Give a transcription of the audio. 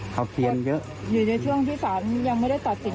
เขาเขียนเยอะอยู่ในช่วงที่สารยังไม่ได้ตัดสิน